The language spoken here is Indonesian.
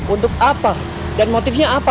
untuk apa dan motifnya apa